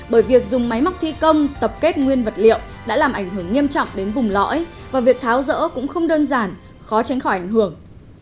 bởi việc dùng máy móc thi công tập kết nguyên vật liệu đã làm ảnh hưởng nghiêm trọng đến vùng lõi và việc tháo rỡ cũng không đơn giản khó tránh khỏi ảnh hưởng